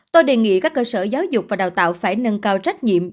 tôi đề nghị các cơ sở giáo dục và đào tạo phải nâng cao trách nhiệm